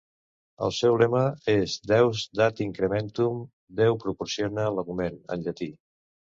El seu lema és "Deus Dat Incrementum", "Déu proporciona l'augment" en llatí